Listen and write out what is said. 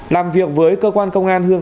làm việc với cơ quan công an hương